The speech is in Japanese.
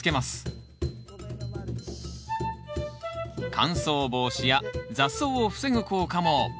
乾燥防止や雑草を防ぐ効果も。